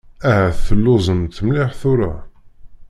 Ahat telluẓemt mliḥ tura.